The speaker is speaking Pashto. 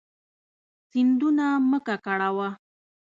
سیندونه مه ککړوه.